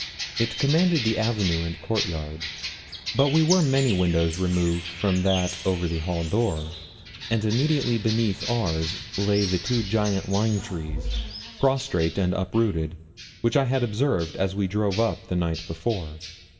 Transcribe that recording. It commanded the avenue and court yard; but we were many windows removed from that over the hall door, and immediately beneath ours lay the two giant lime trees, prostrate and uprooted, which I had observed as we drove up the night before.